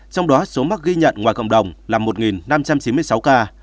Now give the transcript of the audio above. trong đó số mắc ghi nhận ngoài cộng đồng là một năm trăm chín mươi sáu ca